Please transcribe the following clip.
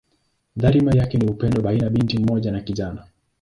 Dhamira yake ni upendo baina binti mmoja na kijana.